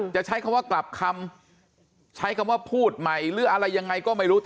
จะใช้คำว่ากลับคำใช้คำว่าพูดใหม่หรืออะไรยังไงก็ไม่รู้